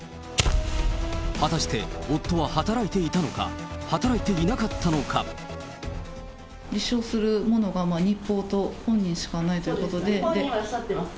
果たして、夫は働いていたのか、立証するものが日報と本人しかないということで。